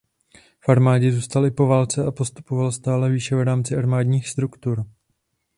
V armádě zůstal i po válce a postupoval stále výše v rámci armádních struktur.